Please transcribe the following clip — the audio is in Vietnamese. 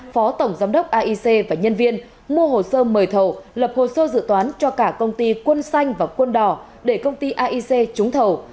phó tổng giám đốc aic và nhân viên mua hồ sơ mời thầu lập hồ sơ dự toán cho cả công ty quân xanh và quân đỏ để công ty aic trúng thầu